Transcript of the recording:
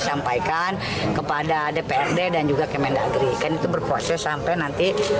sampaikan kepada dprd dan juga kemendagri kan itu berproses sampai nanti